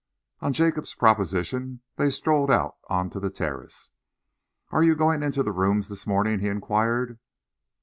On Jacob's proposition, they strolled out on to the terrace. "Are you going into the Rooms this morning?" he enquired.